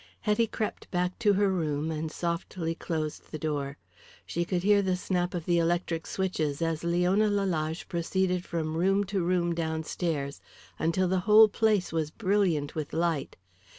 Hetty crept back to her room and softly closed the door. She could hear the snap of the electric switches as Leona Lalage proceeded from room to room downstairs until the whole place was brilliant with light.